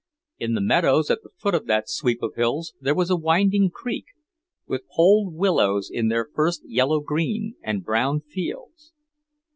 In the meadows at the foot of that sweep of hills there was a winding creek, with polled willows in their first yellow green, and brown fields.